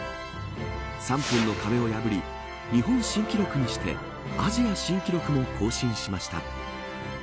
３分の壁を破り日本新記録にしてアジア新記録も更新しました。